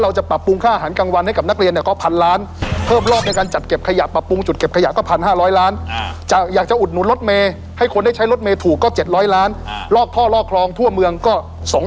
อาจจะต้องวางผังเมืองออกไปด้วยคือแทนที่จะเอาบ้านมาใกล้งานในเมือง